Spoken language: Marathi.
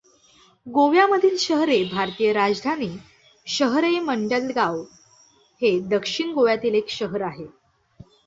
गोव्यामधील शहरे भारतीय राजधानी शहरेमडगांव हे दक्षिण गोव्यातील एक शहर आहे.